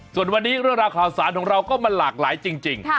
ส่วนวันนี้เรื่องราวข่าวสารของเราก็มันหลากหลายจริง